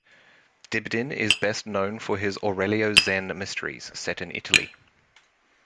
Dibdin is best known for his Aurelio Zen mysteries, set in Italy.